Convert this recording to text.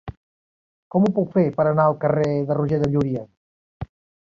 Com ho puc fer per anar al carrer de Roger de Llúria?